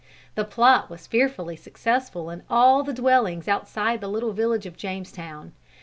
The plot was fearfully successful in all the dwellings outside the little village of Jamestown.